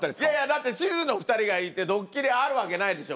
だって地図の２人がいてドッキリあるわけないでしょ。